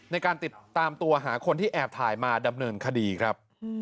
ในการติดตามตัวหาคนที่แอบถ่ายมาดำเนินคดีครับ